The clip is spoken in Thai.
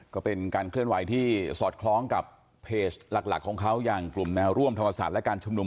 ก็เป็นการเคลื่อนไหวที่สอดคล้องกับเพจหลักของเขาอย่างกลุ่มแนวร่วมธรรมศาสตร์และการชุมนุม